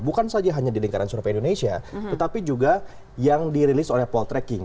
bukan saja hanya di lingkaran surabaya indonesia tetapi juga yang dirilis oleh paul treking